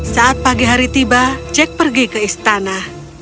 saat pagi hari tiba jack pergi ke istana